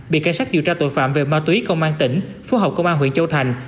bị cảnh sát điều tra tội phạm về ma túy công an tỉnh phú học công an huyện châu thành